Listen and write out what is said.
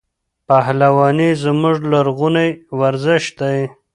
پهلواني زموږ لرغونی ورزش دی.